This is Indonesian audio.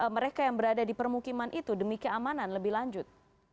mereka yang berada di permukiman itu demi keamanan lebih lanjut